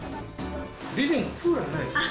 リビングにクーラーないですね。